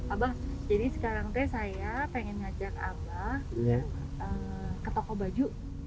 abah jadi sekarang teh saya pengen ngajak abah ke toko baju